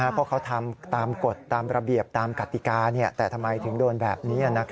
เพราะเขาทำตามกฎตามระเบียบตามกติกาแต่ทำไมถึงโดนแบบนี้